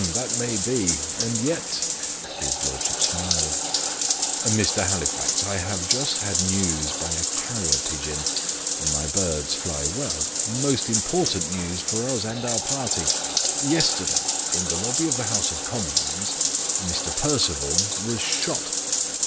"That may be and yet " his lordship smiled. "Mr. Halifax, I have just had news by a carrier pigeon my birds fly well most important news for us and our party. Yesterday, in the lobby of the House of Commons, Mr. Perceval was shot."